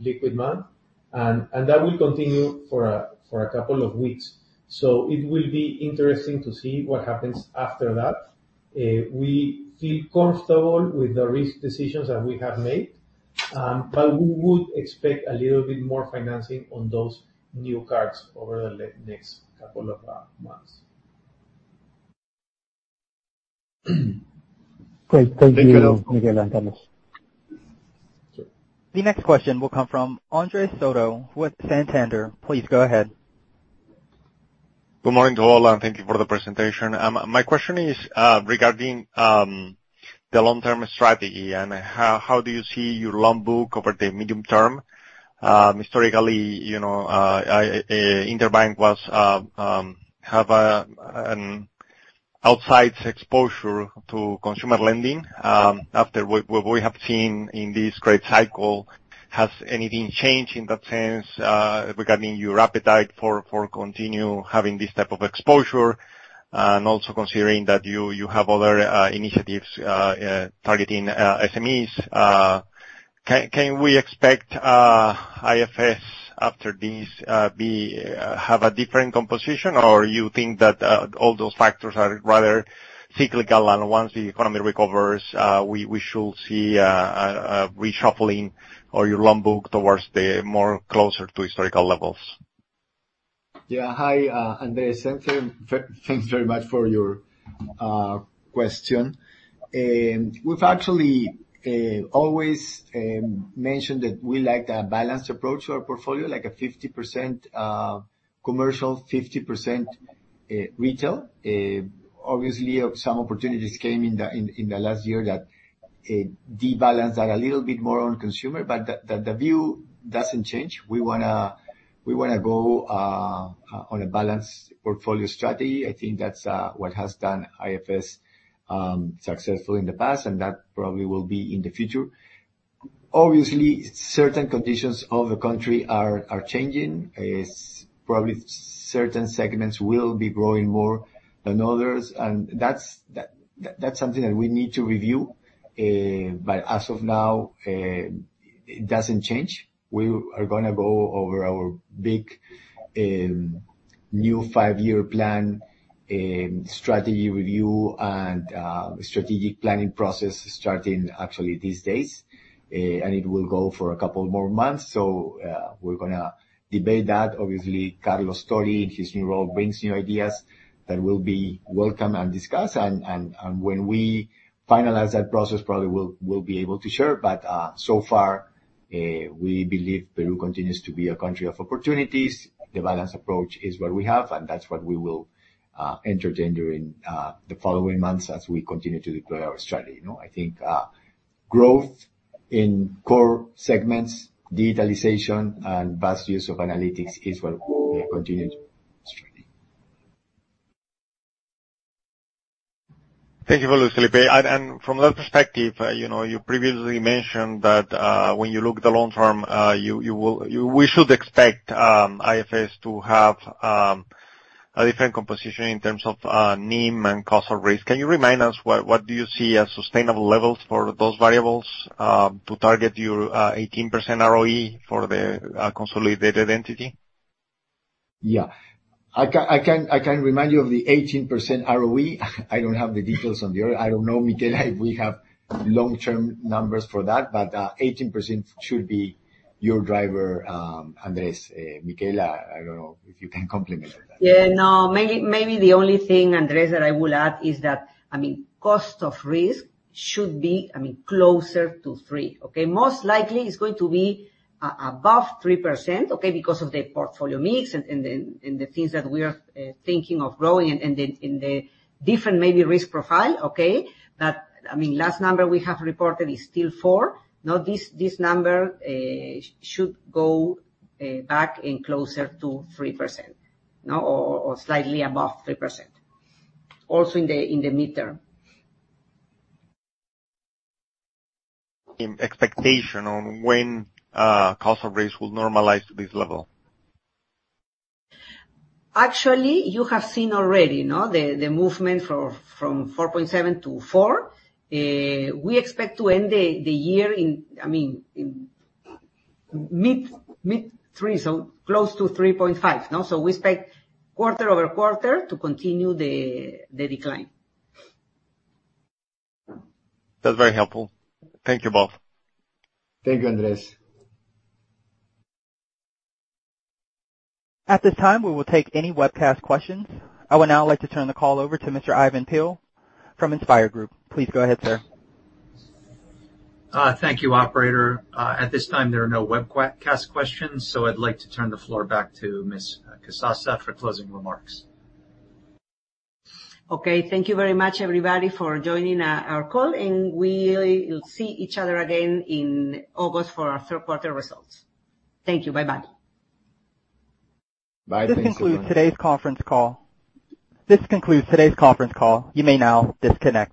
liquid month, and that will continue for a couple of weeks. So it will be interesting to see what happens after that. We feel comfortable with the risk decisions that we have made, but we would expect a little bit more financing on those new cards over the next couple of months. Great. Thank you, Michela and Carlos. Sure. The next question will come from Andres Soto with Santander. Please go ahead. Good morning to all, and thank you for the presentation. My question is regarding the long-term strategy, and how do you see your loan book over the medium term? Historically, you know, Interbank was have a outside exposure to consumer lending. After what we have seen in this credit cycle, has anything changed in that sense, regarding your appetite for continue having this type of exposure? And also considering that you have other initiatives targeting SMEs. Can we expect IFS after this be have a different composition, or you think that all those factors are rather cyclical, and once the economy recovers, we should see a reshuffling of your loan book towards the more closer to historical levels? Yeah. Hi, Andrés. Thank you- thanks very much for your question. We've actually always mentioned that we like a balanced approach to our portfolio, like a 50% commercial, 50% retail. Obviously, some opportunities came in the last year that de-balance that a little bit more on consumer, but the view doesn't change. We wanna go on a balanced portfolio strategy. I think that's what has done IFS successful in the past, and that probably will be in the future. Obviously, certain conditions of the country are changing, is probably certain segments will be growing more than others, and that's something that we need to review, but as of now, it doesn't change. We are gonna go over our big, new five-year plan, strategy review, and strategic planning process starting actually these days. And it will go for a couple more months. So, we're gonna debate that. Obviously, Carlos Tori, in his new role, brings new ideas that will be welcome and discussed and when we finalize that process, probably we'll be able to share. But, so far, we believe Peru continues to be a country of opportunities. The balanced approach is what we have, and that's what we will entertain during the following months as we continue to deploy our strategy, you know? I think, growth in core segments, digitalization, and vast use of analytics is where we continue to strategy. Thank you, Luis Felipe. And, and from that perspective, you know, you previously mentioned that, when you look at the long term, you, you will... We should expect, IFS to have, a different composition in terms of, NIM and cost of risk. Can you remind us what, what do you see as sustainable levels for those variables, to target your, 18% ROE for the, consolidated entity? Yeah. I can remind you of the 18% ROE. I don't have the details on the other. I don't know, Michela, if we have long-term numbers for that, but 18% should be your driver, Andrés. Michela, I don't know if you can comment on that. Yeah, no, maybe, maybe the only thing, Andrés, that I will add is that, I mean, cost of risk should be, I mean, closer to three, okay? Most likely, it's going to be above 3%, okay, because of the portfolio mix and the things that we are thinking of growing and the different maybe risk profile, okay? But, I mean, last number we have reported is still four. Now, this number should go back and closer to 3%, or slightly above 3%, also in the midterm.... Expectation on when, cost of risk will normalize to this level? Actually, you have seen already, no, the movement from 4.7 to 4. We expect to end the year in, I mean, in mid-three, so close to 3.5, no? So we expect quarter-over-quarter to continue the decline. That's very helpful. Thank you both. Thank you, Andres. At this time, we will take any webcast questions. I would now like to turn the call over to Mr. Ivan Peill from InspIR Group. Please go ahead, sir. Thank you, operator. At this time, there are no webcast questions, so I'd like to turn the floor back to Ms. Casassa for closing remarks. Okay. Thank you very much, everybody, for joining our call, and we'll see each other again in August for our Q3 results. Thank you. Bye-bye. Bye. Thank you. This concludes today's conference call. This concludes today's conference call. You may now disconnect.